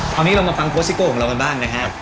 คราวนี้เรามาฟังโค้ชซิโก้ของเรากันบ้างนะครับ